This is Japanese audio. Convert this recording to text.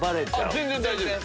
全然大丈夫です。